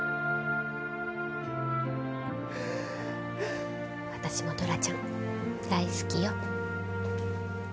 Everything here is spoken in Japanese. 私もトラちゃん大好きよ。